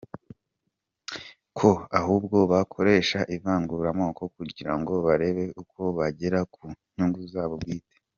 Ko ahubwo bakoresha ivangura amoko kugirango barebe uko bagera ku nyungu zabo bwite.